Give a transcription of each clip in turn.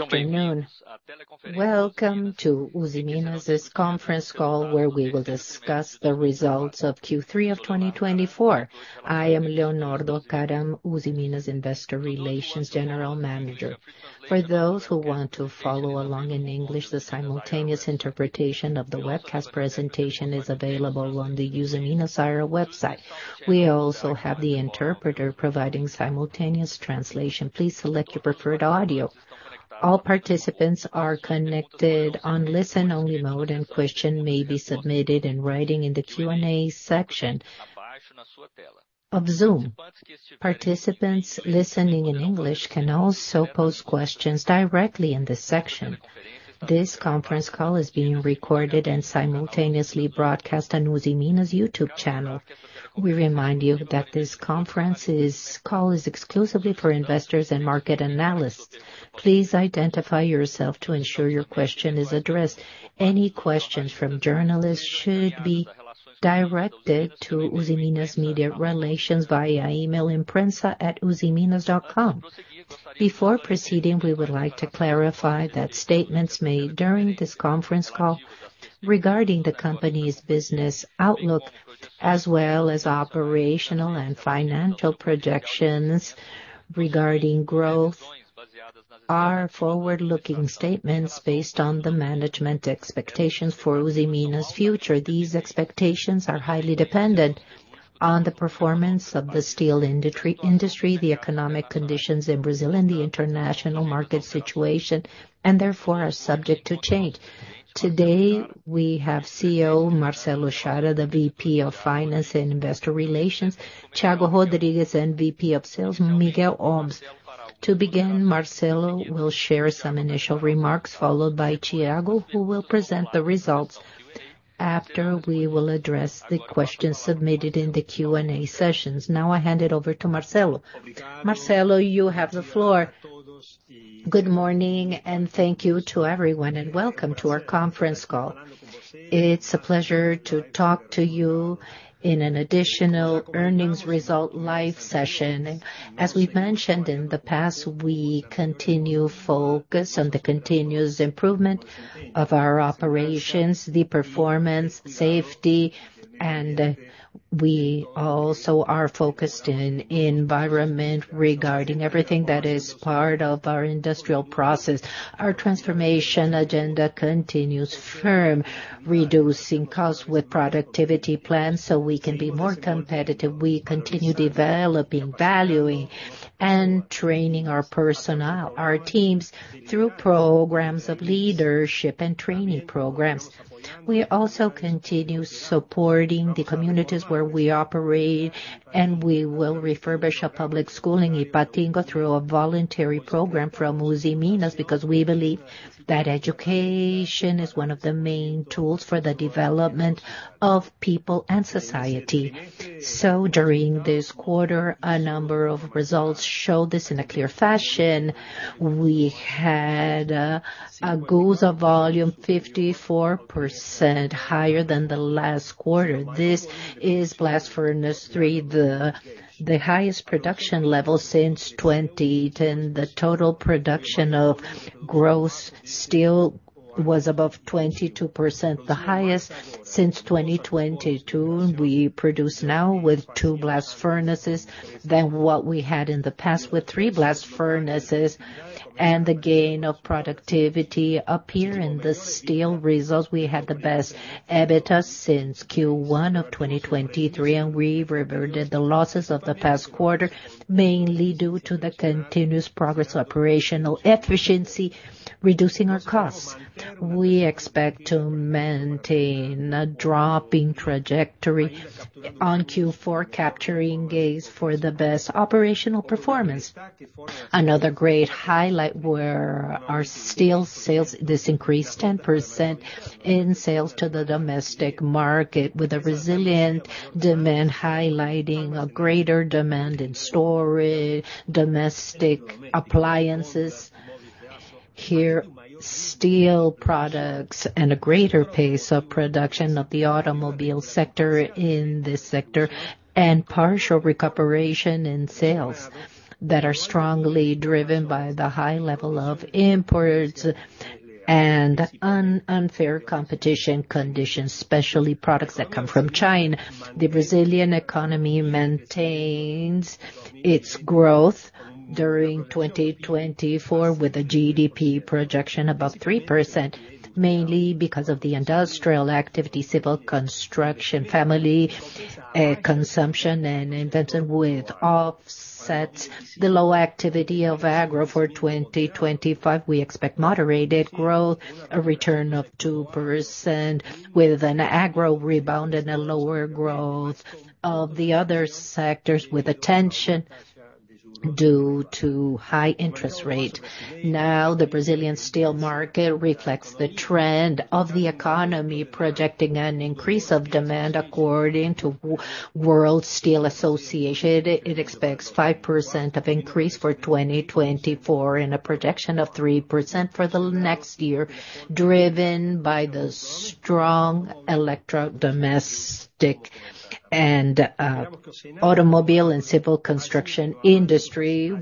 afternoon. Welcome to Usiminas' Conference Call, where we will discuss the results of Q3 of 2024. I am Leonardo Karam, Usiminas' Investor Relations General Manager. For those who want to follow along in English, the simultaneous interpretation of the webcast presentation is available on the Usiminas IR website. We also have the interpreter providing simultaneous translation. Please select your preferred audio. All participants are connected on listen-only mode, and questions may be submitted in writing in the Q&A section of Zoom. Participants listening in English can also post questions directly in this section. This conference call is being recorded and simultaneously broadcast on Usiminas' YouTube channel. We remind you that this conference call is exclusively for investors and market analysts. Please identify yourself to ensure your question is addressed. Any questions from journalists should be directed to Usiminas' Media Relations via email imprensa@usiminas.com. Before proceeding, we would like to clarify that statements made during this conference call regarding the company's business outlook, as well as operational and financial projections regarding growth, are forward-looking statements based on the management expectations for Usiminas' future. These expectations are highly dependent on the performance of the steel industry, the economic conditions in Brazil and the international market situation, and therefore are subject to change. Today, we have CEO Marcelo Chara, the VP of Finance and Investor Relations, Thiago Rodrigues, and VP of Sales, Miguel Homes. To begin, Marcelo will share some initial remarks, followed by Thiago, who will present the results. After, we will address the questions submitted in the Q&A sessions. Now I hand it over to Marcelo. Marcelo, you have the floor. Good morning, and thank you to everyone, and welcome to our conference call. It's a pleasure to talk to you in an additional earnings result live session. As we've mentioned in the past, we continue focus on the continuous improvement of our operations, the performance, safety, and we also are focused in environment regarding everything that is part of our industrial process. Our transformation agenda continues firm, reducing costs with productivity plans so we can be more competitive. We continue developing, valuing, and training our personnel, our teams, through programs of leadership and training programs. We also continue supporting the communities where we operate, and we will refurbish a public school in Ipatinga through a voluntary program from Usiminas, because we believe that education is one of the main tools for the development of people and society, so during this quarter, a number of results showed this in a clear fashion. We had a pig iron volume 54% higher than the last quarter. This is Blast Furnace 3, the highest production level since 2010. The total production of gross steel was above 22%, the highest since 2022. We produce now with two blast furnaces than what we had in the past with three blast furnaces, and the gain of productivity up here in the steel results. We had the best EBITDA since Q1 of 2023, and we reverted the losses of the past quarter, mainly due to the continuous progress operational efficiency, reducing our costs. We expect to maintain a dropping trajectory on Q4, capturing gains for the best operational performance. Another great highlight were our steel sales. This increased 10% in sales to the domestic market, with a resilient demand, highlighting a greater demand in storage, domestic appliances. Here, steel products and a greater pace of production of the automobile sector in this sector, and partial recuperation in sales that are strongly driven by the high level of imports and unfair competition conditions, especially products that come from China. The Brazilian economy maintains its growth during twenty twenty-four, with a GDP projection above 3%, mainly because of the industrial activity, civil construction, family consumption, and investment, with offsets the low activity of agro. For twenty twenty-five, we expect moderated growth, a return of 2%, with an agro rebound and a lower growth of the other sectors with attention due to high interest rate. Now, the Brazilian steel market reflects the trend of the economy, projecting an increase of demand according to World Steel Association. It expects a 5% increase for 2024, and a projection of 3% for the next year, driven by the strong electro-domestic and automobile and civil construction industry.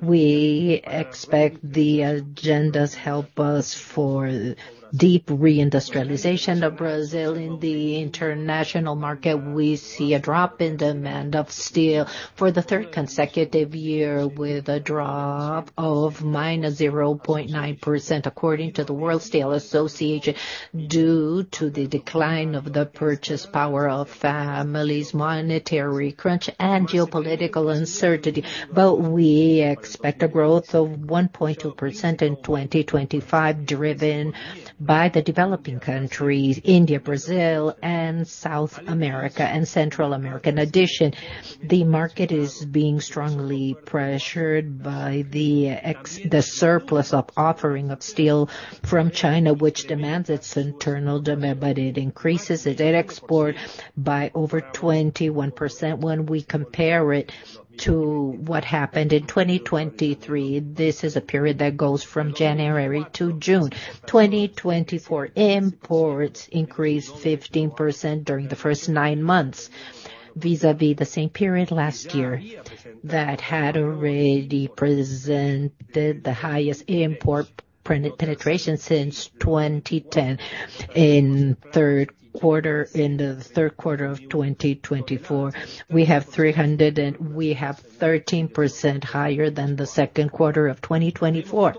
We expect the agendas help us for deep reindustrialization of Brazil. In the international market, we see a drop in demand of steel for the third consecutive year, with a drop of -0.9%, according to the World Steel Association, due to the decline of the purchasing power of families, monetary crunch, and geopolitical uncertainty, but we expect a growth of 1.2% in 2025, driven by the developing countries, India, Brazil, and South America, and Central America. In addition, the market is being strongly pressured by the surplus of offering of steel from China, which dampens its internal demand, but it increases its export by over 21% when we compare it to what happened in 2023. This is a period that goes from January to June. 2024 imports increased 15% during the first nine months, vis-à-vis the same period last year, that had already presented the highest import penetration since 2010. In the Q3 of 2024, we have 13% higher than the Q2 of 2024.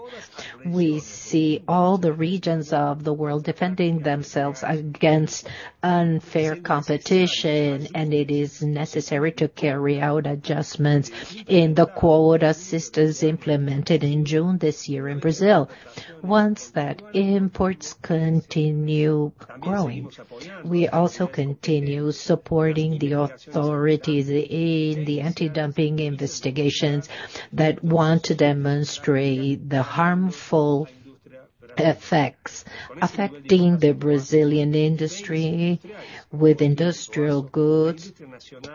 We see all the regions of the world defending themselves against unfair competition, and it is necessary to carry out adjustments in the quota systems implemented in June this year in Brazil. Once imports continue growing, we also continue supporting the authorities in the anti-dumping investigations that want to demonstrate the harmful effects affecting the Brazilian industry with industrial goods.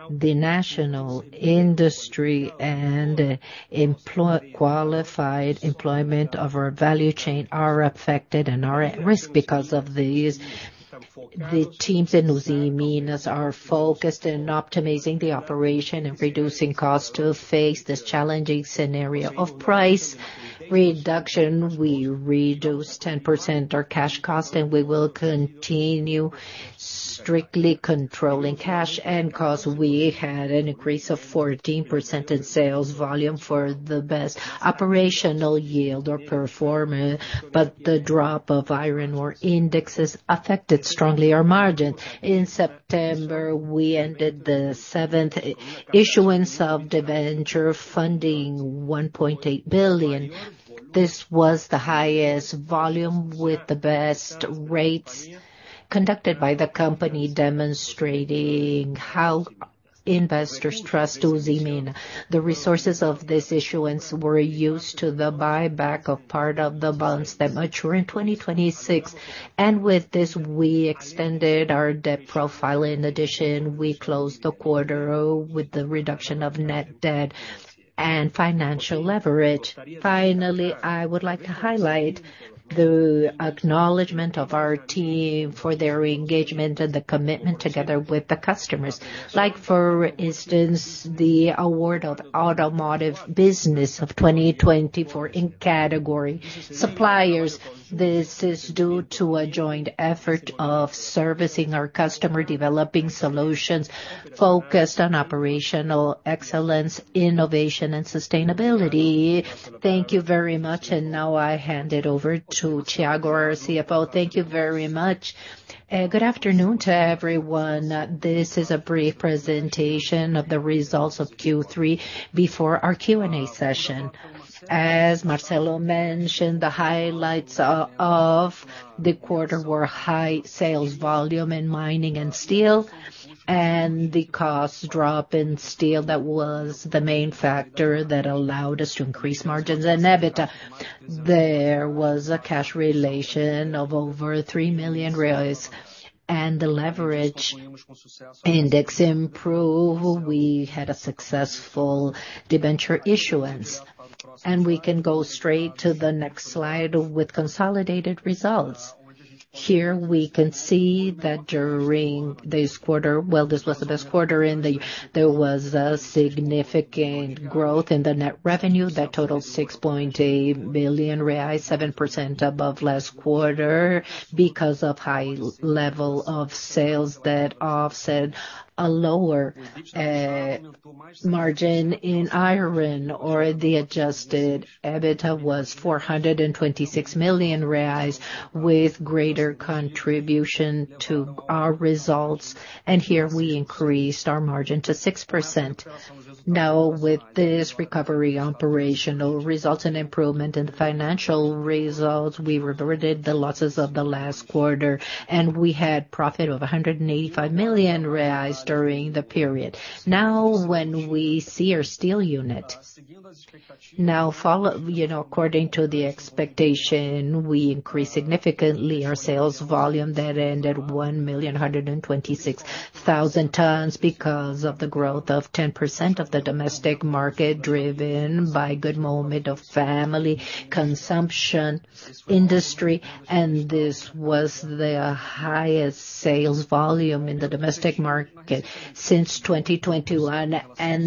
The national industry and employment, qualified employment, of our value chain are affected and are at risk because of this. The teams in Usiminas are focused in optimizing the operation and reducing costs to face this challenging scenario of price reduction. We reduced 10% our cash cost, and we will continue strictly controlling cash and cost. We had an increase of 14% in sales volume for the best operational yield or performance, but the drop of iron ore indexes affected strongly our margin. In September, we ended the seventh issuance of debenture funding, 1.8 billion. This was the highest volume with the best rates conducted by the company, demonstrating how investors trust Usiminas. The resources of this issuance were used to the buyback of part of the bonds that mature in 2026, and with this, we extended our debt profile. In addition, we closed the quarter with the reduction of net debt and financial leverage. Finally, I would like to highlight the acknowledgment of our team for their engagement and the commitment together with the customers. Like, for instance, the award of Automotive Business of 2024 in category suppliers. This is due to a joint effort of servicing our customer, developing solutions focused on operational excellence, innovation, and sustainability. Thank you very much, and now I hand it over to Thiago, our CFO. Thank you very much. Good afternoon to everyone. This is a brief presentation of the results of Q3 before our Q&A session. As Marcelo mentioned, the highlights of the quarter were high sales volume in mining and steel, and the cost drop in steel. That was the main factor that allowed us to increase margins and EBITDA. There was a cash generation of over 3 million reais, and the leverage index improved. We had a successful debenture issuance. We can go straight to the next slide with consolidated results. Here, we can see that during this quarter, this was the best quarter, and there was a significant growth in the net revenue that totaled 6.8 billion reais, 7% above last quarter, because of high level of sales that offset a lower margin in iron ore. The adjusted EBITDA was 426 million reais, with greater contribution to our results. Here, we increased our margin to 6%. Now, with this recovery, operational results and improvement in the financial results, we reverted the losses of the last quarter, and we had profit of 185 million reais during the period. Now, when we see our steel unit, now following, you know, according to the expectation, we increased significantly our sales volume that ended 1,126,000 tons because of the growth of 10% of the domestic market, driven by good moment of family consumption industry, and this was the highest sales volume in the domestic market since 2021.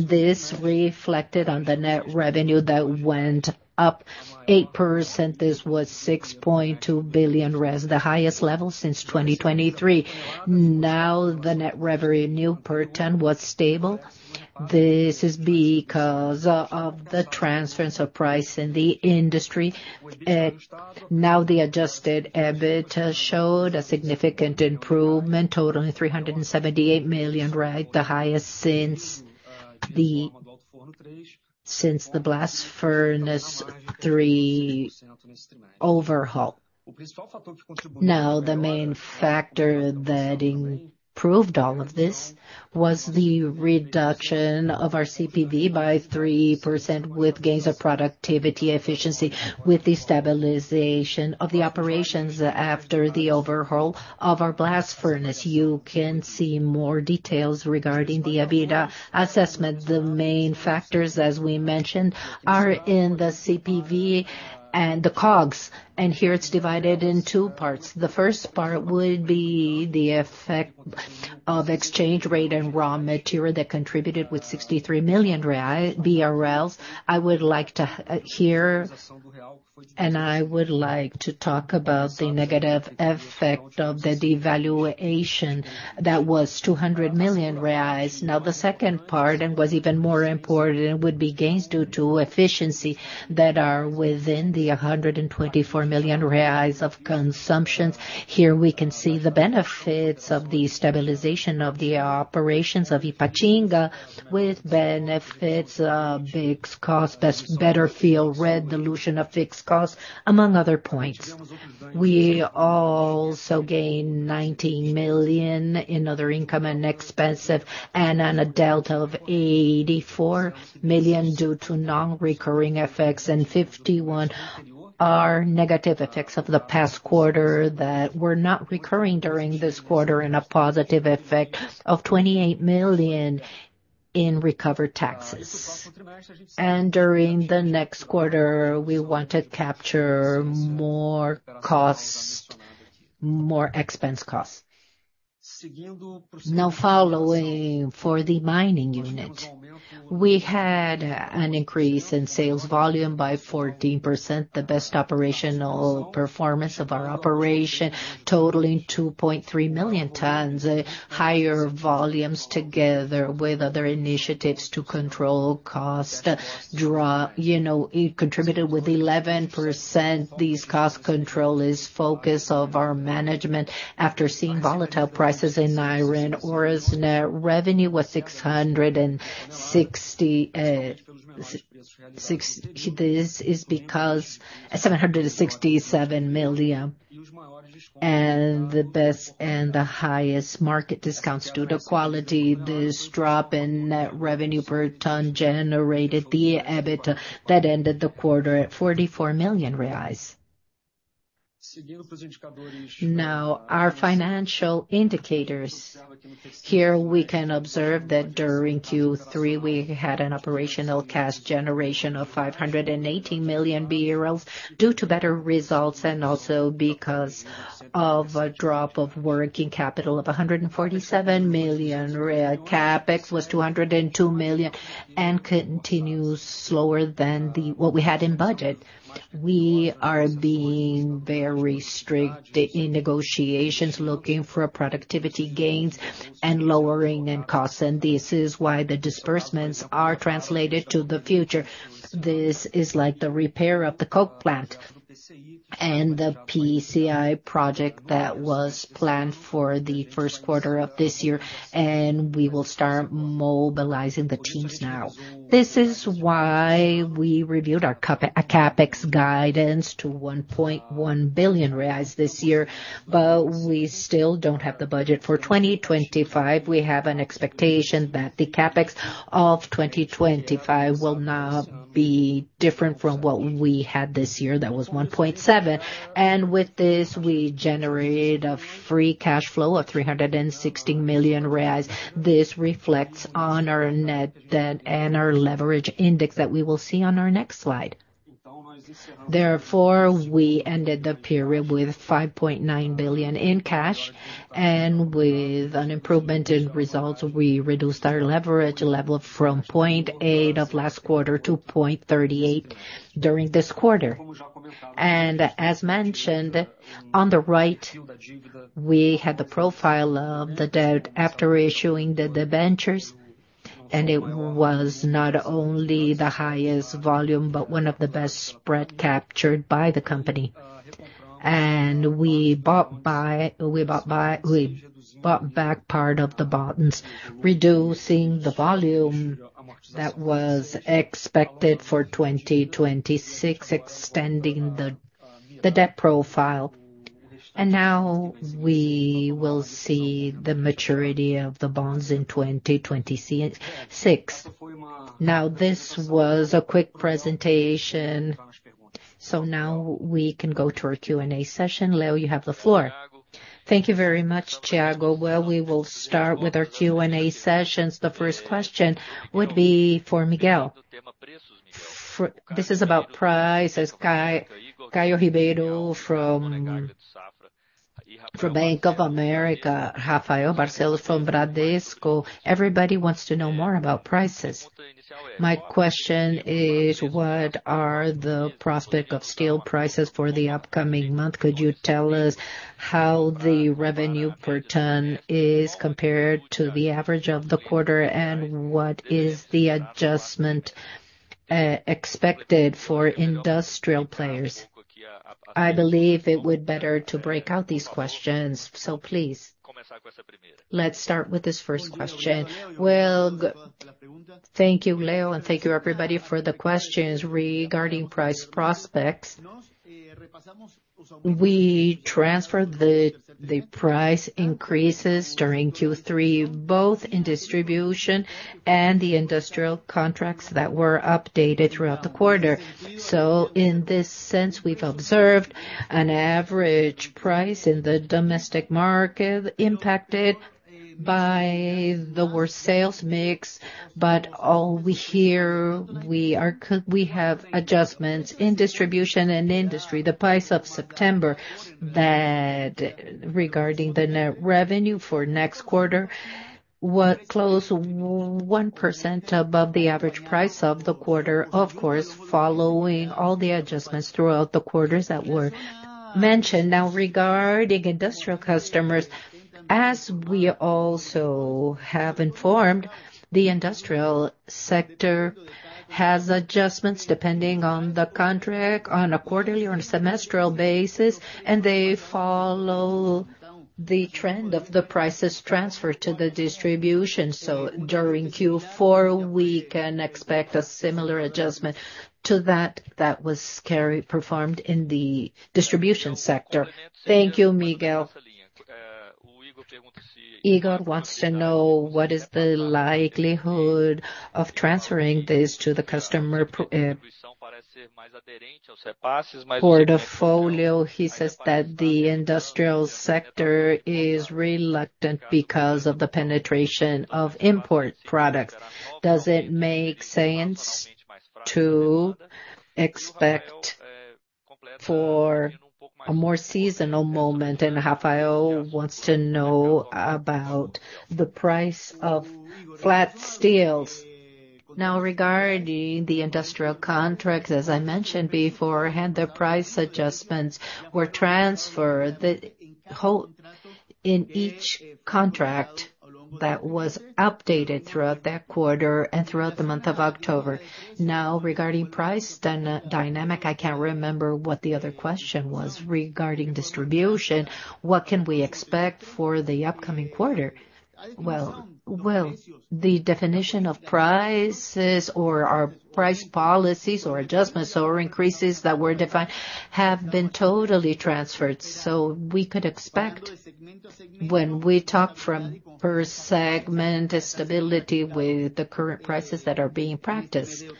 This reflected on the net revenue that went up 8%. This was 6.2 billion, the highest level since 2023. Now, the net revenue per ton was stable. This is because of the transference of price in the industry. Now, the adjusted EBITDA showed a significant improvement, totaling 378 million, right? The highest since the Blast Furnace 3overhaul. Now, the main factor that improved all of this was the reduction of our CPV by 3%, with gains of productivity, efficiency, with the stabilization of the operations after the overhaul of our blast furnace. You can see more details regarding the EBITDA assessment. The main factors, as we mentioned, are in the CPV and the COGS, and here it's divided in two parts. The first part would be the effect of exchange rate and raw material that contributed with 63 million BRL. And I would like to talk about the negative effect of the devaluation that was 200 million reais. Now, the second part, and was even more important, would be gains due to efficiency that are within the 124 million reais of consumptions. Here, we can see the benefits of the stabilization of the operations of Ipatinga, with benefits, fixed costs, better fuel rate, dilution of fixed costs, among other points. We also gained 19 million in other income and expenses, and on a delta of 84 million due to non-recurring effects, and 51 are negative effects of the past quarter that were not recurring during this quarter, in a positive effect of 28 million in recovered taxes. During the next quarter, we want to capture more costs, more expense costs. Now, following for the mining unit. We had an increase in sales volume by 14%, the best operational performance of our operation, totaling 2.3 million tons. Higher volumes, together with other initiatives to control cost drop, you know, it contributed with 11%. This cost control is focus of our management after seeing volatile prices in iron ore. Ore's net revenue was seven hundred and sixty-seven million BRL. The best and the highest market discounts due to quality, this drop in net revenue per ton generated the EBITDA that ended the quarter at 44 million reais. Now, our financial indicators. Here, we can observe that during Q3, we had an operational cash generation of 580 million BRL due to better results, and also because of a drop of working capital of 147 million real. CapEx was 202 million BRL, and continues slower than the what we had in budget. We are being very strict in negotiations, looking for productivity gains and lowering in costs, and this is why the disbursements are translated to the future. This is like the repair of the coke plant and the PCI project that was planned for the Q1 of this year, and we will start mobilizing the teams now. This is why we reviewed our CapEx guidance to 1.1 billion reais this year, but we still don't have the budget for 2025. We have an expectation that the CapEx of 2025 will not be different from what we had this year. That was 1.7 billion. And with this, we generated a Free Cash Flow of 360 million reais. This reflects on our net debt and our Leverage Index that we will see on our next slide. Therefore, we ended the period with 5.9 billion in cash and with an improvement in results. We reduced our leverage level from 0.8 of last quarter to 0.38 during this quarter, and as mentioned, on the right, we had the profile of the debt after issuing the debentures, and it was not only the highest volume, but one of the best spread captured by the company. And we bought back part of the bonds, reducing the volume that was expected for 2026, extending the debt profile. Now, this was a quick presentation, so now we can go to our Q&A session. Leo, you have the floor. Thank you very much, Thiago. We will start with our Q&A sessions. The first question would be for Miguel. This is about price, as Caio Ribeiro, from Bank of America, Rafael Barcellos from Bradesco, everybody wants to know more about prices. My question is: What are the prospects of steel prices for the upcoming month? Could you tell us how the revenue per ton is compared to the average of the quarter, and what is the adjustment expected for industrial players? I believe it would better to break out these questions, so please, let's start with this first question. Thank you, Leo, and thank you, everybody, for the questions regarding price prospects. We transferred the price increases during Q3, both in distribution and the industrial contracts that were updated throughout the quarter. So in this sense, we've observed an average price in the domestic market, impacted by the worst sales mix. But all we hear, we have adjustments in distribution and industry. The price of September, that regarding the net revenue for next quarter, was close to 1% above the average price of the quarter. Of course, following all the adjustments throughout the quarters that were mentioned. Now, regarding industrial customers, as we also have informed, the industrial sector has adjustments depending on the contract, on a quarterly or a semestral basis, and they follow the trend of the prices transferred to the distribution. So during Q4, we can expect a similar adjustment to that was carried, performed in the distribution sector. Thank you, Miguel. Igor wants to know what is the likelihood of transferring this to the customer portfolio. He says that the industrial sector is reluctant because of the penetration of import products. Does it make sense to expect for a more seasonal moment? And Rafael wants to know about the price of flat steels. Now, regarding the industrial contracts, as I mentioned before, and the price adjustments were transferred, the whole in each contract that was updated throughout that quarter and throughout the month of October. Now, regarding price dynamic, I can't remember what the other question was. Regarding distribution, what can we expect for the upcoming quarter? The definition of prices or our price policies or adjustments or increases that were defined have been totally transferred. So we could expect, when we talk from per segment, stability with the current prices that are being practiced during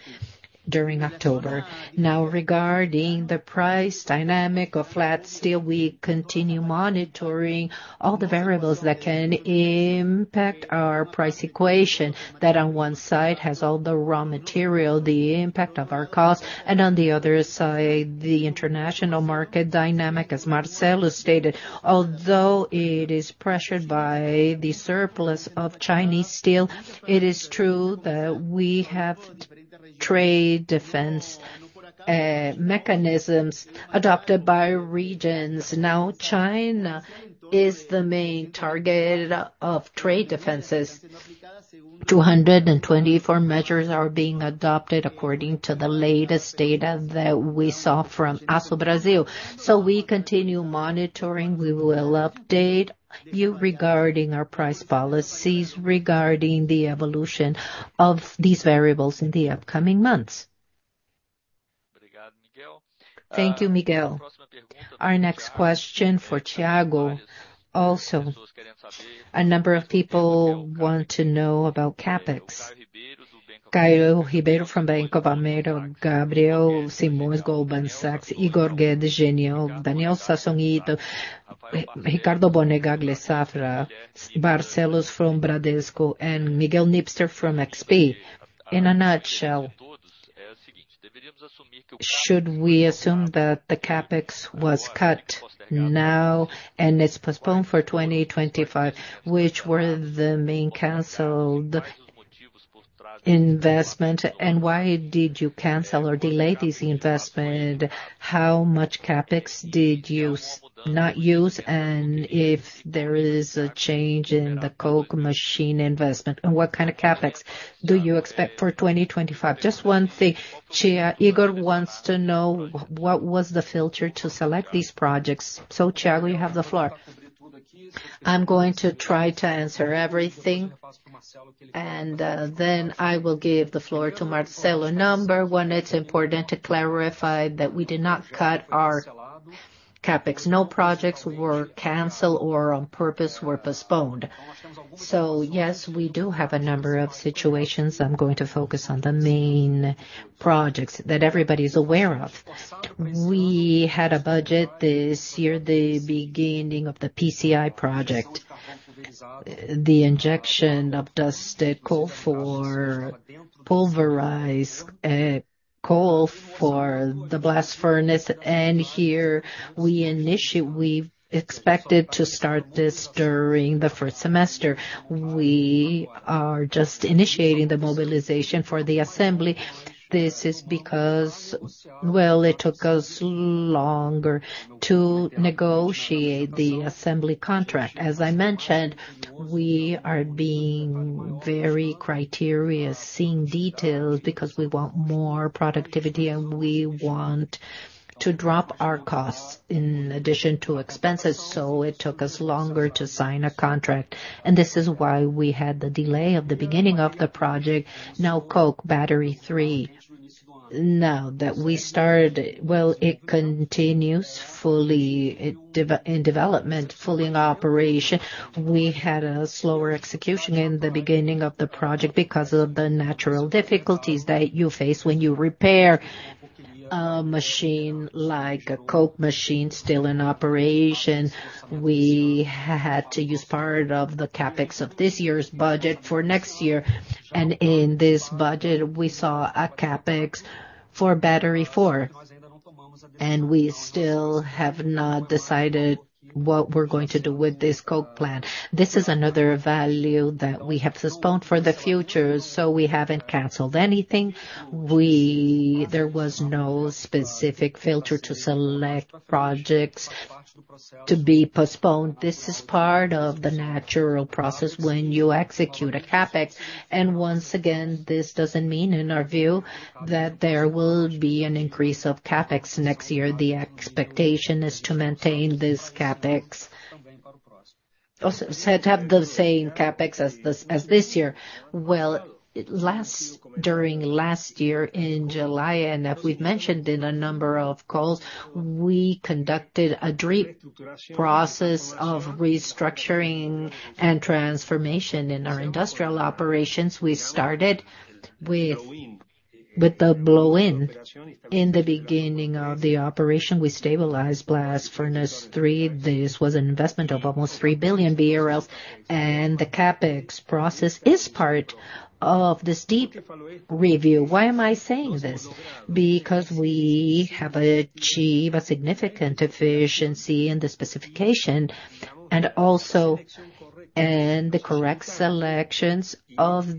October. Now, regarding the price dynamic of flat steel, we continue monitoring all the variables that can impact our price equation, that on one side has all the raw material, the impact of our cost, and on the other side, the international market dynamic, as Marcelo stated. Although it is pressured by the surplus of Chinese steel, it is true that we have trade defense mechanisms adopted by regions. Now, China is the main target of trade defenses. Two hundred and twenty-four measures are being adopted according to the latest data that we saw from Aço Brasil. So we continue monitoring. We will update you regarding our price policies, regarding the evolution of these variables in the upcoming months. Thank you, Miguel. Our next question for Thiago. Also, a number of people want to know about CapEx. Caio Ribeiro from Bank of America, Gabriel Simões, Goldman Sachs, Igor Guedes, Genial, Daniel Sasson, Ricardo Monegaglia, Banco Safra, Barcellos from Bradesco, and Guilherme Nippes from XP. In a nutshell, should we assume that the CapEx was cut now and it's postponed for twenty twenty-five? Which were the main canceled investment, and why did you cancel or delay this investment? How much CapEx did you not use, and if there is a change in the coke machine investment, and what CapEx do you expect for twenty twenty-five? Just one thing, Thiago, Igor wants to know what was the filter to select these projects. So, Thiago, you have the floor. I'm going to try to answer everything. And then I will give the floor to Marcelo. Number one, it's important to clarify that we did not cut our CapEx. No projects were canceled or on purpose were postponed. So yes, we do have a number of situations. I'm going to focus on the main projects that everybody's aware of. We had a budget this year, the beginning of the PCI project, the injection of dust, coal for pulverized, coal for the blast furnace, and here we expected to start this during the first semester. We are just initiating the mobilization for the assembly. This is because, it took us longer to negotiate the assembly contract. As I mentioned, we are being very critical, seeing details, because we want more productivity, and we want to drop our costs in addition to CapEx, so it took us longer to sign a contract. This is why we had the delay of the beginning of the project. Now, Coke Battery 3. Now that we started, it continues fully in development, fully in operation. We had a slower execution in the beginning of the project because of the natural difficulties that you face when you repair a machine like a Coke Battery still in operation. We had to use part of the CapEx of this year's budget for next year, and in this budget, we saw a CapEx for battery four. We still have not decided what we're going to do with this coke plant. This is another value that we have postponed for the future, so we haven't canceled anything. There was no specific filter to select projects to be postponed. This is part of the natural process when you execute a CapEx. Once again, this doesn't mean, in our view, that there will be an increase of CapEx next year. The expectation is to maintain this CapEx. Also, so to have the same CapEx as this year. During last year, in July, and as we've mentioned in a number of calls, we conducted a deep process of restructuring and transformation in our industrial operations. We started with the blow-in. In the beginning of the operation, we stabilized Blast Furnace 3. This was an investment of almost three billion BRL, and the CapEx process is part of this deep review. Why am I saying this? Because we have achieved a significant efficiency in the specification, and also the correct selections of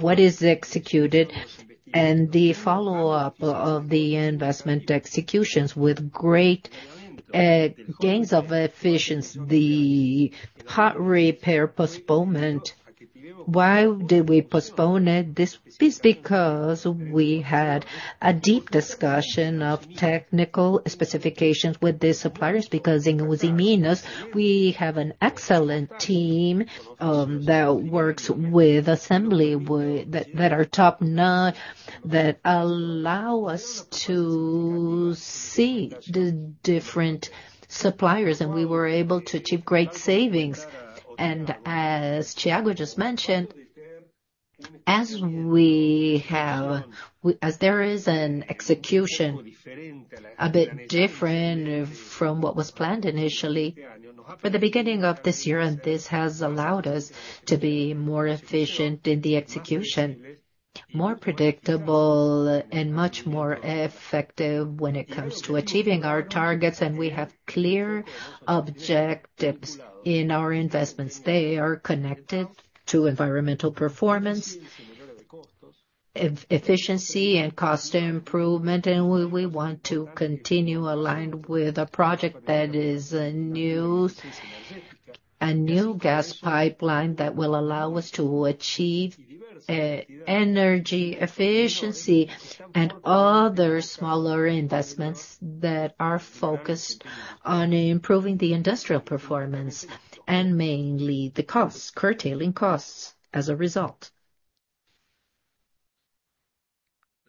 what is executed and the follow-up of the investment executions with great gains of efficiency. The hot repair postponement, why did we postpone it? This is because we had a deep discussion of technical specifications with the suppliers, because in Usiminas, we have an excellent team that works with assembly, that are top-notch, that allow us to see the different suppliers, and we were able to achieve great savings. And as Thiago just mentioned, as there is an execution a bit different from what was planned initially for the beginning of this year, and this has allowed us to be more efficient in the execution, more predictable, and much more effective when it comes to achieving our targets, and we have clear objectives in our investments. They are connected to environmental performance, efficiency, and cost improvement, and we want to continue aligned with a project that is a new gas pipeline that will allow us to achieve energy efficiency and other smaller investments that are focused on improving the industrial performance, and mainly the costs, curtailing costs as a result.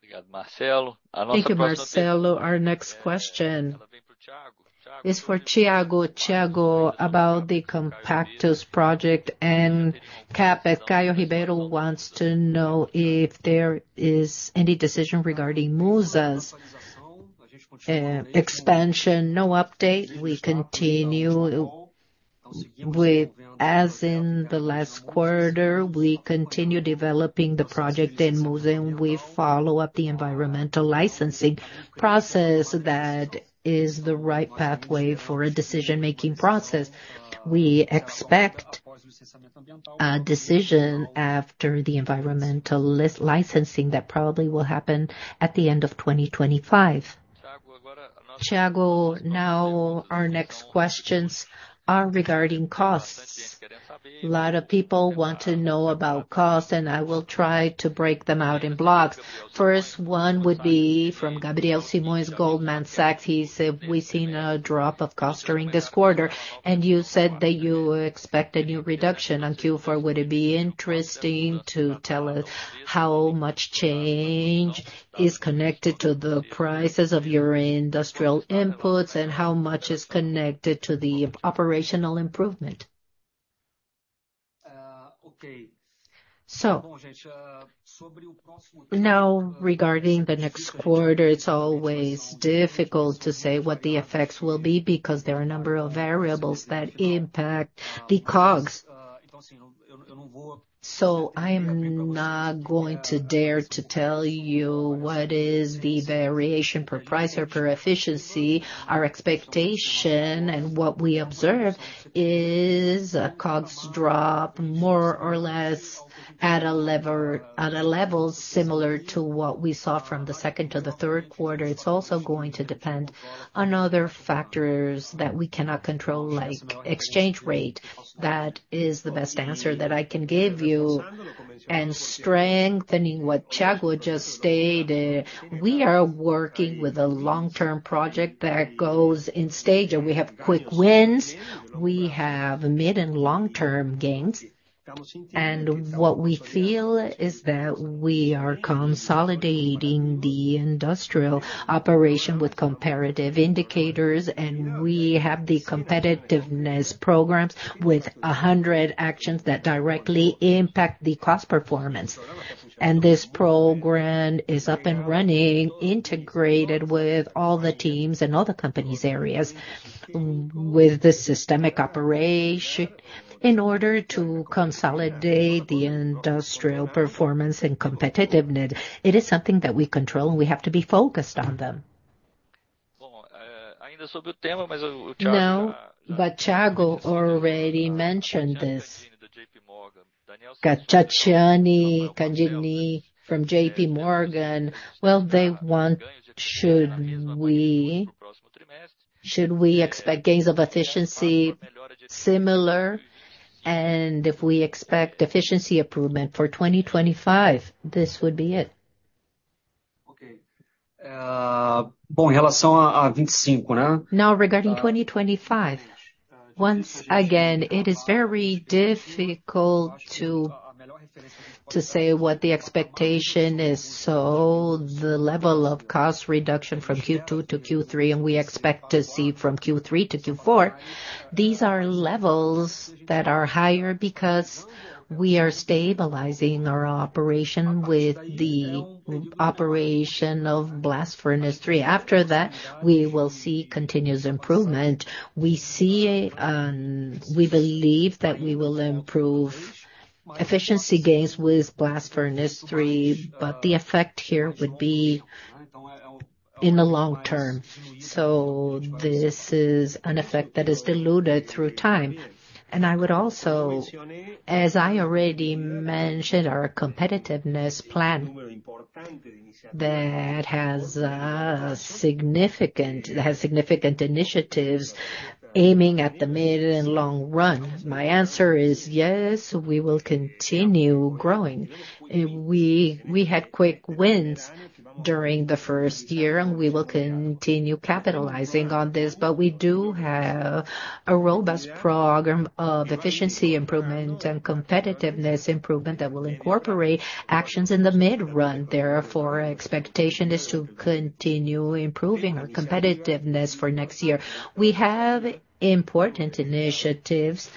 Thank you, Marcelo. Our next question is for Thiago. Thiago, about the Compactos project and CapEx. Caio Ribeiro wants to know if there is any decision regarding MUSA's expansion. No update. We continue with, as in the last quarter, we continue developing the project in MUSA, and we follow up the environmental licensing process that is the right pathway for a decision-making process. We expect a decision after the environmental licensing that probably will happen at the end of twenty twenty-five. Thiago, now our next questions are regarding costs. A lot of people want to know about costs, and I will try to break them out in blocks. First one would be from Gabriel Simões, Goldman Sachs. He said, "We've seen a drop of cost during this quarter, and you said that you expect a new reduction on Q4. Would it be interesting to tell us how much change is connected to the prices of your industrial inputs, and how much is connected to the operational improvement?" Okay.So, now, regarding the next quarter, it's always difficult to say what the effects will be, because there are a number of variables that impact the COGS. So I'm not going to dare to tell you what is the variation per price or per efficiency. Our expectation and what we observe is a COGS drop, more or less, at a level similar to what we saw from the second to the Q3. It's also going to depend on other factors that we cannot control, like exchange rate. That is the best answer that I can give you. And strengthening what Thiago just stated, we are working with a long-term project that goes in stage, and we have quick wins. We have mid and long-term gains. What we feel is that we are consolidating the industrial operation with comparative indicators, and we have the competitiveness programs with 100 actions that directly impact the cost performance. This program is up and running, integrated with all the teams and all the company's areas, with the systemic operation in order to consolidate the industrial performance and competitiveness. It is something that we control, and we have to be focused on them. Now, Thiago already mentioned this. Got Tatyana Cagnin from J.P. Morgan. They want, should we expect gains of efficiency similar? If we expect efficiency improvement for 2025, this would be it. Okay, now, regarding 2025, once again, it is very difficult to say what the expectation is. So the level of cost reduction from Q2 to Q3, and we expect to see from Q3 to Q4, these are levels that are higher because we are stabilizing our operation with the operation of Blast Furnace 3. After that, we will see continuous improvement. We see, and we believe that we will improve efficiency gains with Blast Furnace 3, but the effect here would be in the long term. So this is an effect that is diluted through time. And I would also, as I already mentioned, our competitiveness plan that has significant, it has significant initiatives aiming at the mid and long run. My answer is, yes, we will continue growing. We had quick wins during the first year, and we will continue capitalizing on this, but we do have a robust program of efficiency improvement and competitiveness improvement that will incorporate actions in the mid-run. Therefore, our expectation is to continue improving our competitiveness for next year. We have important initiatives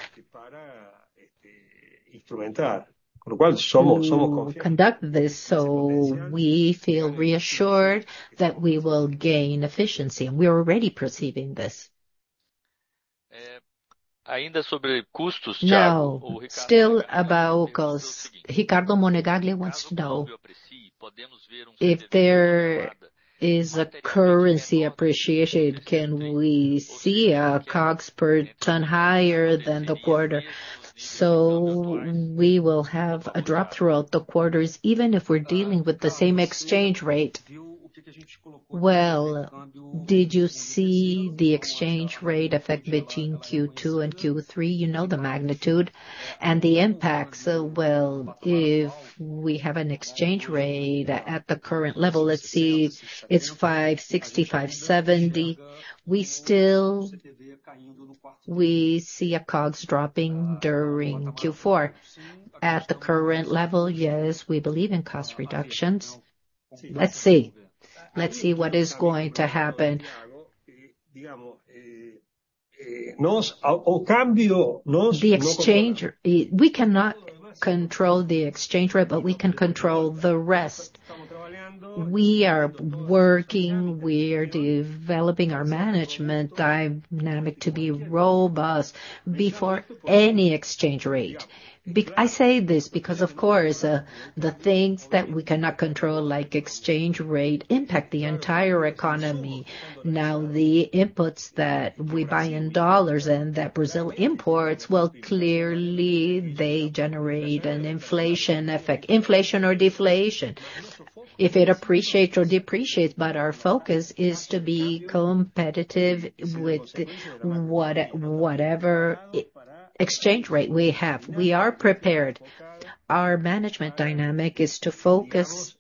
to conduct this, so we feel reassured that we will gain efficiency, and we are already perceiving this. Now, still about costs, Ricardo Monegaglia wants to know: If there is a currency appreciation, can we see COGS per ton higher than the quarter? So we will have a drop throughout the quarters, even if we're dealing with the same exchange rate. Did you see the exchange rate effect between Q2 and Q3? You know the magnitude and the impact. If we have an exchange rate at the current level, let's see, it's 5.60, 5.70. We still see a COGS dropping during Q4. At the current level, yes, we believe in cost reductions. Let's see. Let's see what is going to happen. The exchange, we cannot control the exchange rate, but we can control the rest. We are working, we are developing our management dynamic to be robust before any exchange rate. I say this because, of course, the things that we cannot control, like exchange rate, impact the entire economy. Now, the inputs that we buy in dollars and that Brazil imports, clearly they generate an inflation effect, inflation or deflation, if it appreciates or depreciates. But our focus is to be competitive with the whatever exchange rate we have. We are prepared. Our management dynamic is to focus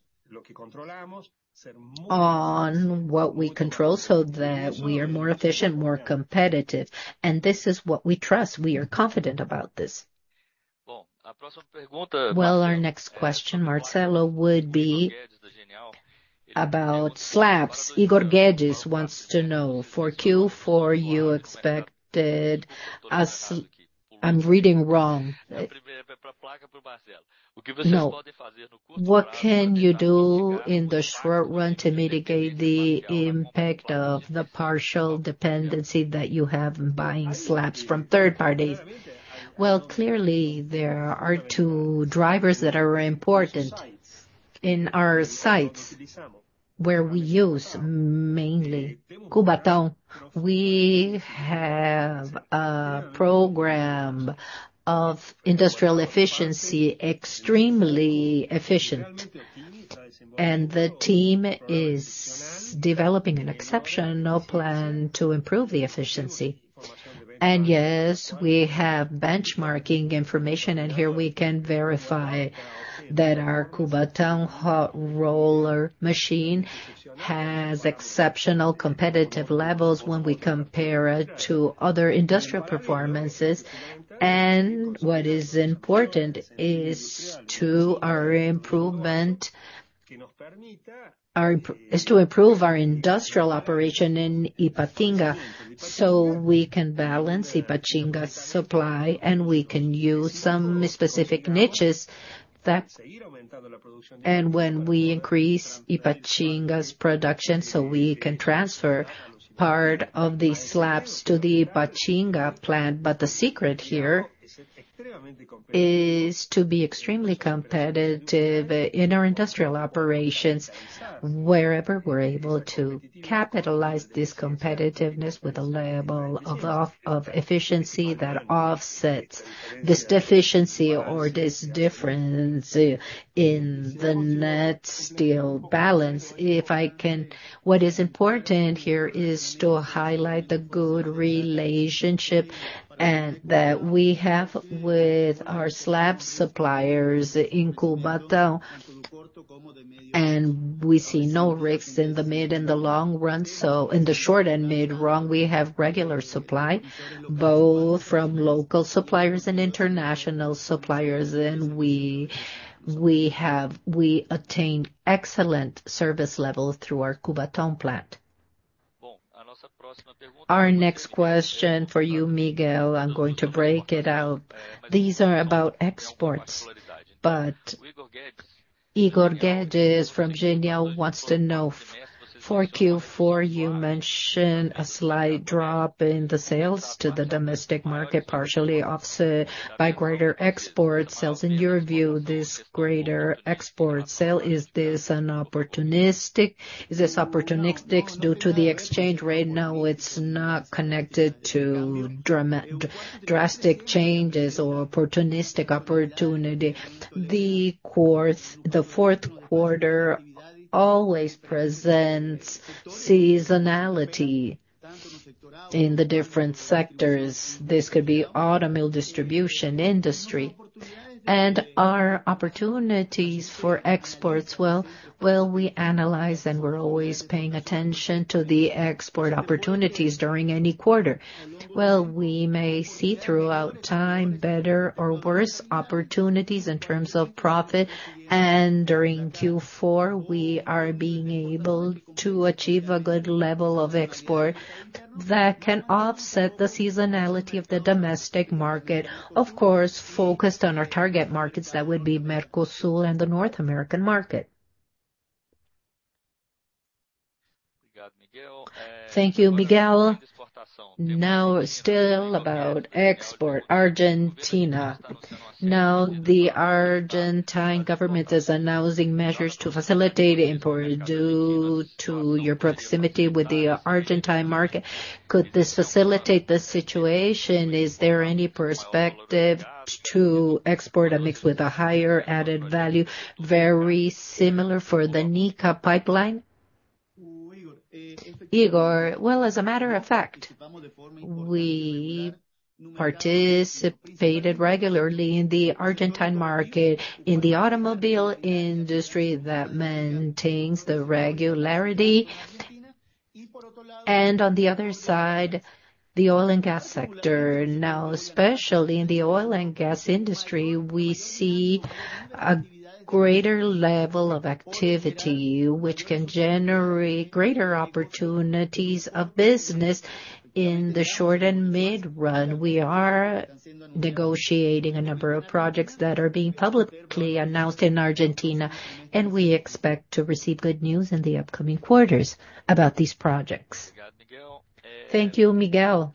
on what we control so that we are more efficient, more competitive, and this is what we trust. We are confident about this. Our next question, Marcelo, would be about slabs. Igor Guedes wants to know, What can you do in the short run to mitigate the impact of the partial dependency that you have in buying slabs from third parties? Clearly, there are two drivers that are important. In our sites, where we use mainly Cubatão, we have a program of industrial efficiency, extremely efficient. The team is developing an exceptional plan to improve the efficiency. Yes, we have benchmarking information, and here we can verify that our Cubatão hot roller machine has exceptional competitive levels when we compare it to other industrial performances. What is important is to improve our industrial operation in Ipatinga, so we can balance Ipatinga's supply, and we can use some specific niches. When we increase Ipatinga's production, we can transfer part of the slabs to the Ipatinga plant. The secret here is to be extremely competitive in our industrial operations, wherever we are able to capitalize this competitiveness with a level of efficiency that offsets this deficiency or this difference in the net steel balance. What is important here is to highlight the good relationship that we have with our slab suppliers in Cubatão, and we see no risks in the mid and the long run. So in the short and mid-run, we have regular supply, both from local suppliers and international suppliers, and we obtained excellent service level through our Cubatão plant. Our next question for you, Miguel, I'm going to break it out. These are about exports, but Igor Guedes from Genial wants to know, for Q4, you mentioned a slight drop in the sales to the domestic market, partially offset by greater export sales. In your view, this greater export sale, is this opportunistic due to the exchange rate? No, it's not connected to drastic changes or opportunistic opportunity. The Q4 always presents seasonality in the different sectors. This could be automobile, distribution, industry. And our opportunities for exports, we analyze, and we're always paying attention to the export opportunities during any quarter. We may see throughout time, better or worse opportunities in terms of profit. And during Q4, we are being able to achieve a good level of export that can offset the seasonality of the domestic market, of course, focused on our target markets. That would be Mercosul and the North American market. Thank you, Miguel. Now, still about export, Argentina. Now, the Argentine government is announcing measures to facilitate import. Due to your proximity with the Argentine market, could this facilitate the situation? Is there any perspective to export a mix with a higher added value, very similar for the NK pipeline? Igor, as a matter of fact, we participated regularly in the Argentine market, in the automobile industry that maintains the regularity. And on the other side, the oil and gas sector. Now, especially in the oil and gas industry, we see a greater level of activity, which can generate greater opportunities of business in the short and mid-run. We are negotiating a number of projects that are being publicly announced in Argentina, and we expect to receive good news in the upcoming quarters about these projects. Thank you, Miguel.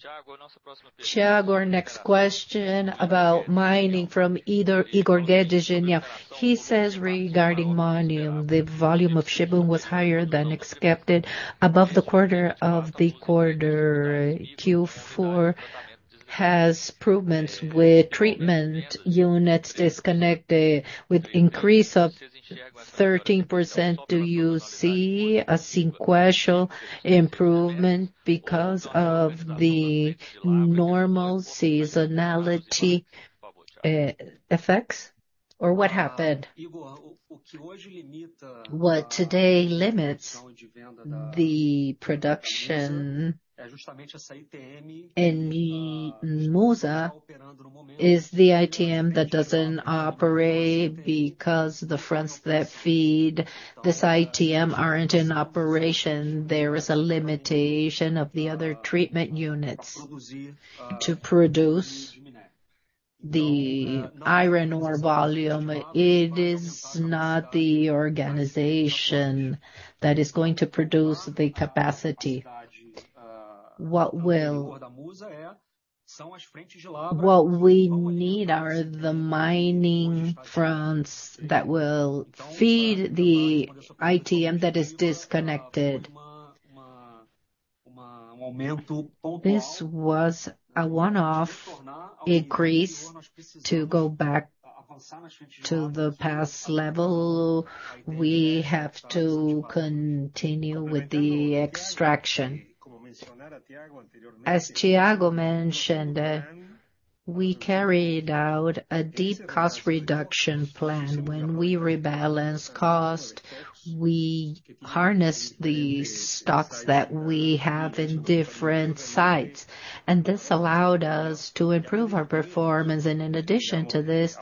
Thiago, our next question about mining from Igor Guedes, Genial. He says, regarding mining, the volume of shipping was higher than expected, above the quarter of the quarter. Q4 has improvements with treatment units disconnected, with increase of thirteen percent. Do you see a sequential improvement because of the normal seasonality effects or what happened? What today limits the production in Musa is the ITM that doesn't operate because the fronts that feed this ITM aren't in operation. There is a limitation of the other treatment units to produce the iron ore volume. It is not the organization that is going to produce the capacity. What we need are the mining fronts that will feed the ITM that is disconnected. This was a one-off increase. To go back to the past level, we have to continue with the extraction. As Thiago mentioned, we carried out a deep cost reduction plan. When we rebalance cost, we handle the stocks that we have in different sites, and this allowed us to improve our performance, and in addition to this,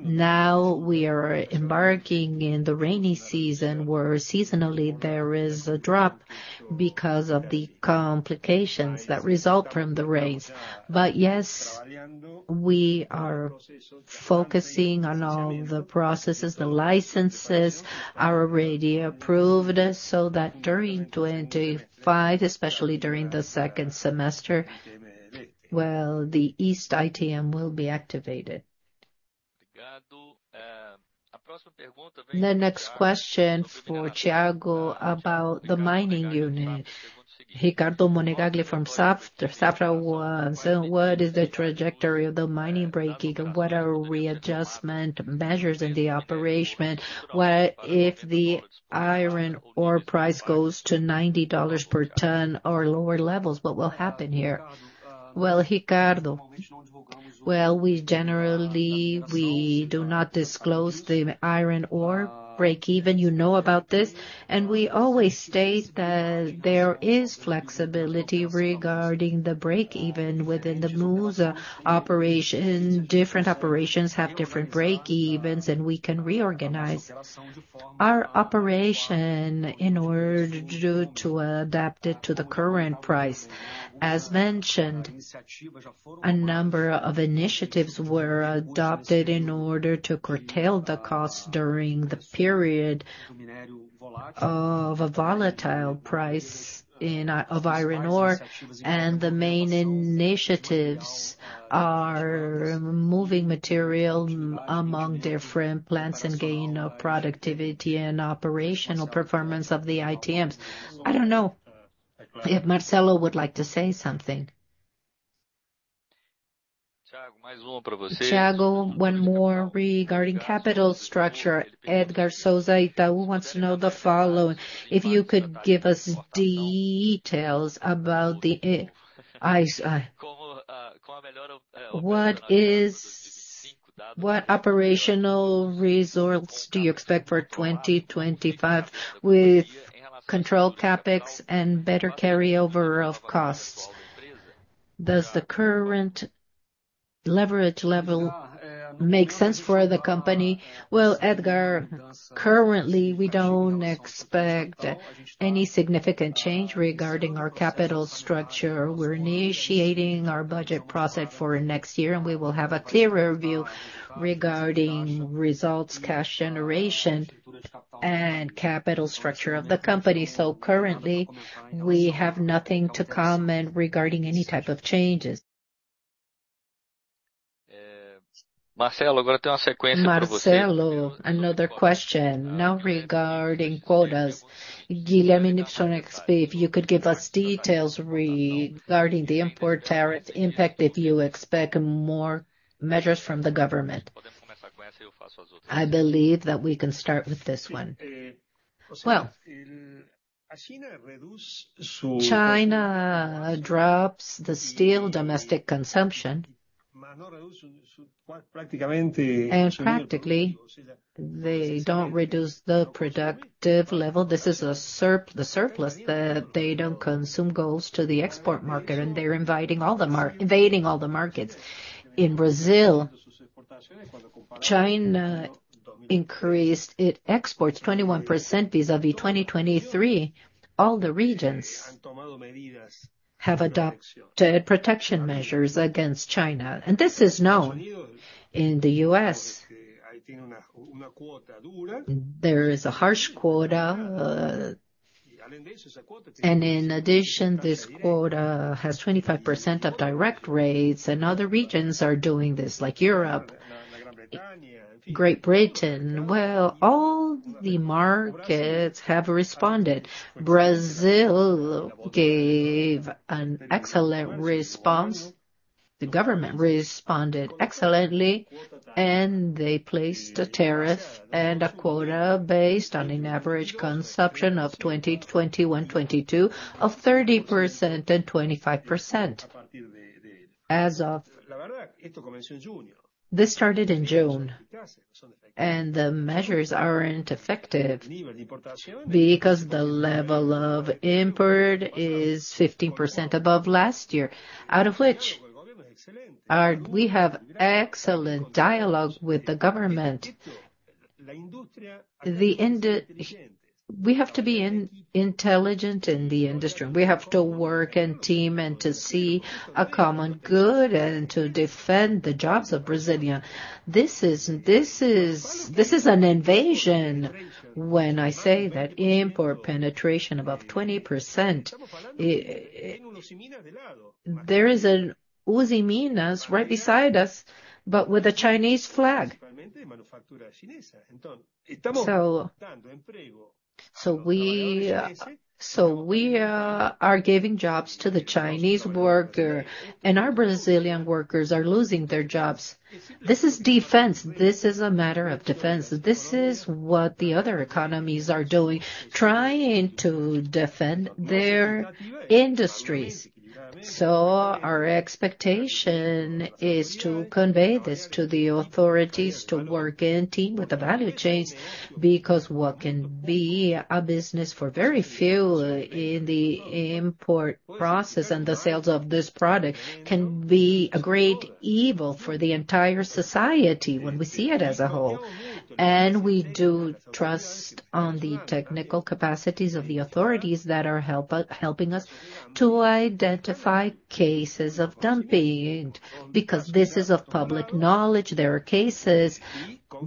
now we are embarking in the rainy season, where seasonally there is a drop because of the complications that result from the rains, but yes, we are focusing on all the processes. The licenses are already approved, so that during 2025, especially during the second semester, the East ITM will be activated. The next question for Thiago about the mining unit. Ricardo Monegaglia from Safra. So what is the trajectory of the mining breakeven? What are readjustment measures in the operation? What if the iron ore price goes to $90 per ton or lower levels, what will happen here? Ricardo, we generally do not disclose the iron ore breakeven, you know about this, and we always state that there is flexibility regarding the breakeven within the Musa operation. Different operations have different breakevens, and we can reorganize our operation in order to adapt it to the current price. As mentioned, a number of initiatives were adopted in order to curtail the cost during the period of a volatile price in iron ore, and the main initiatives are moving material among different plants and gain of productivity and operational performance of the ITMs. I don't know if Marcelo would like to say something. Thiago, one more regarding capital structure. Edgard de Souza Itaú wants to know the following: If you could give us details about what operational results do you expect for twenty twenty-five with controlled CapEx and better carryover of costs? Does the current leverage level make sense for the company? Edgar, currently, we don't expect any significant change regarding our capital structure. We're initiating our budget process for next year, and we will have a clearer view regarding results, cash generation, and capital structure of the company. Currently, we have nothing to comment regarding any type of changes. Marcelo, another question now regarding quotas. Guilherme Nippes, XP, if you could give us details regarding the import tariff impact, if you expect more measures from the government. I believe that we can start with this one. China drops the steel domestic consumption, and practically, they don't reduce the productive level. This is the surplus that they don't consume goes to the export market, and they're invading all the markets. In Brazil, China increased its exports 21% vis-à-vis 2023. All the regions have adopted protection measures against China, and this is known. In the U.S., there is a harsh quota, and in addition, this quota has 25% tariffs, and other regions are doing this, like Europe, Great Britain, all the markets have responded. Brazil gave an excellent response. The government responded excellently, and they placed a tariff and a quota based on an average consumption of 2020, 2021, 2022, of 30% and 25%. As of-- This started in June, and the measures aren't effective because the level of import is 15% above last year, out of which, we have excellent dialogue with the government. The industry. We have to be intelligent in the industry. We have to work in team and to see a common good and to defend the jobs of Brazilian. This is an invasion when I say that import penetration above 20%, there is a Usiminas right beside us, but with a Chinese flag. So we are giving jobs to the Chinese worker, and our Brazilian workers are losing their jobs. This is defense. This is a matter of defense. This is what the other economies are doing, trying to defend their industries. So our expectation is to convey this to the authorities, to work in team with the value chains, because what can be a business for very few in the import process and the sales of this product can be a great evil for the entire society when we see it as a whole. And we do trust on the technical capacities of the authorities that are helping us to identify cases of dumping, because this is of public knowledge. There are cases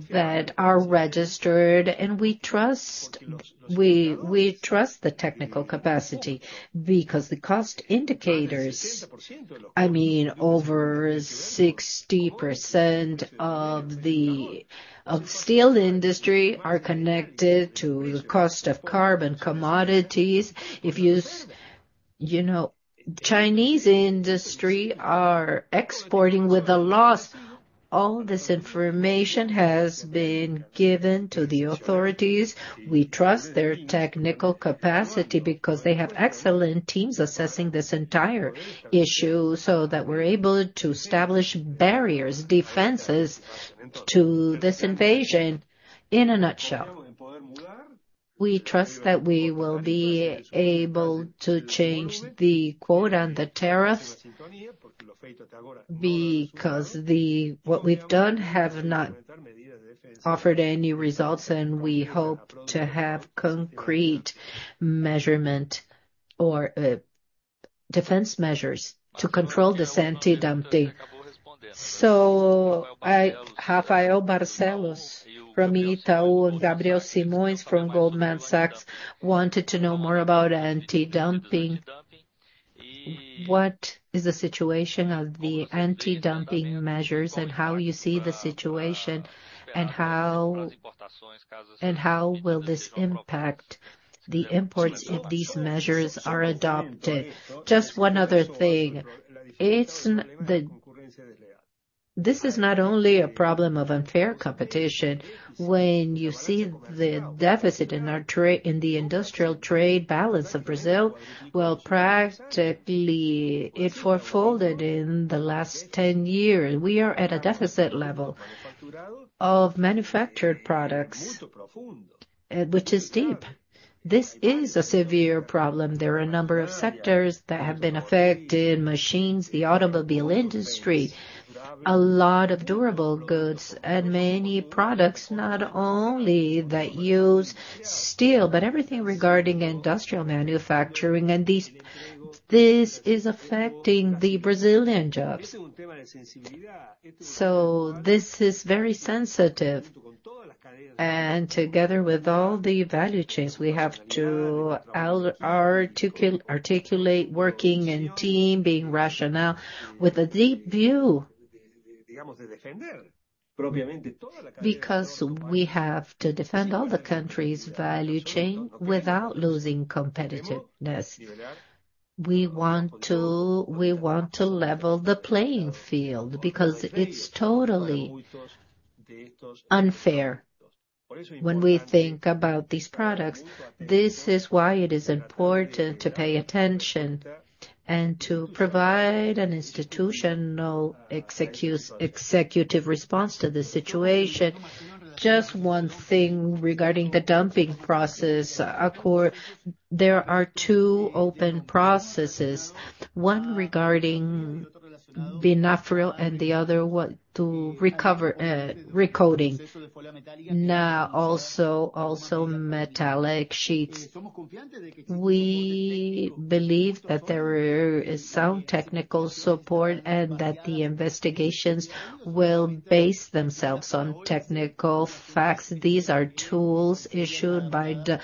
that are registered, and we trust the technical capacity, because the cost indicators, over 60% of the steel industry are connected to the cost of carbon commodities. You know, Chinese industry are exporting with a loss. All this information has been given to the authorities. We trust their technical capacity because they have excellent teams assessing this entire issue so that we're able to establish barriers, defenses to this invasion. In a nutshell, we trust that we will be able to change the quota and the tariffs, because the-- what we've done have not offered any results, and we hope to have concrete measurement or defense measures to control this anti-dumping. So I, Rafael Barcellos from Bradesco Just one other thing. It's the... This is not only a problem of unfair competition. When you see the deficit in our trade, in the industrial trade balance of Brazil, practically, it quadrupled in the last ten years. We are at a deficit level of manufactured products, which is deep. This is a severe problem. There are a number of sectors that have been affected: machines, the automobile industry, a lot of durable goods and many products, not only that use steel, but everything regarding industrial manufacturing. This, this is affecting the Brazilian jobs. This is very sensitive, and together with all the value chains, we have to articulate, working as a team, being rational, with a deep view, because we have to defend all the country's value chain without losing competitiveness. We want to, we want to level the playing field because it's totally unfair when we think about these products. This is why it is important to pay attention and to provide an institutional executive response to this situation. Just one thing regarding the dumping process. Indeed, there are two open processes, one regarding cold rolled coil and the other one regarding metallic sheets. We believe that there is some technical support and that the investigations will base themselves on technical facts. These are tools issued by the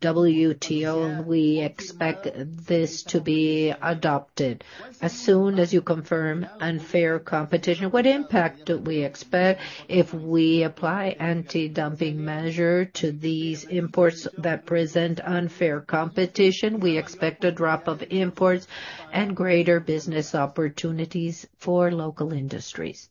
WTO. We expect this to be adopted. As soon as you confirm unfair competition, what impact do we expect if we apply anti-dumping measure to these imports that present unfair competition? We expect a drop of imports and greater business opportunities for local industries.